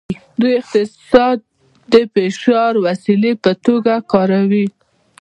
دوی اقتصاد د فشار د وسیلې په توګه کاروي